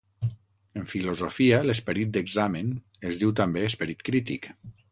En filosofia, l'esperit d'examen es diu també esperit crític.